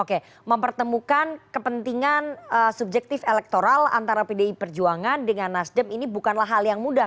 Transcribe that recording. oke mempertemukan kepentingan subjektif elektoral antara pdi perjuangan dengan nasdem ini bukanlah hal yang mudah